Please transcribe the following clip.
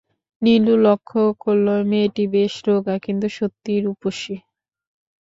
নীলু লক্ষ্য করল মেয়েটি বেশ রোগা কিন্তু সত্যিই রুপসী।